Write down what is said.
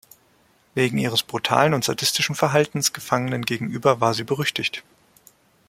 Wegen ihres brutalen und sadistischen Verhaltens Gefangenen gegenüber war sie berüchtigt.